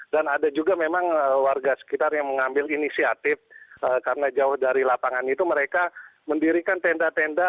dan ada juga memang warga sekitar yang mengambil inisiatif karena jauh dari lapangan itu mereka mendirikan tenda tenda